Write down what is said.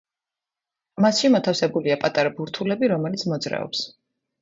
მასში მოთავსებულია პატარა ბურთულები რომელიც მოძრაობს.